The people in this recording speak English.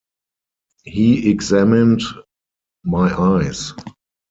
He examined my eyes.